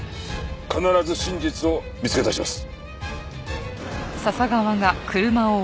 必ず真実を見つけ出します。